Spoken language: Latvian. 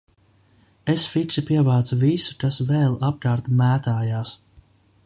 Es fiksi pievācu visu, kas vēl apkārt mētājās.